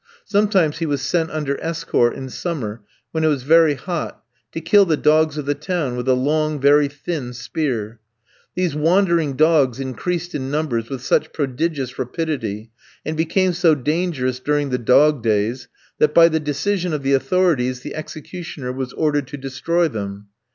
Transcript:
Sometimes he was sent under escort, in summer, when it was very hot, to kill the dogs of the town with a long, very thin spear. These wandering dogs increased in numbers with such prodigious rapidity, and became so dangerous during the dog days, that, by the decision of the authorities, the executioner was ordered to destroy them.